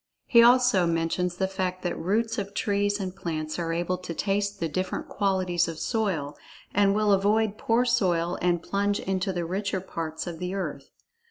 He also mentions the fact that roots of trees and plants are able to taste the different qualities of soil, and will avoid poor soil and plunge into the richer parts of the earth.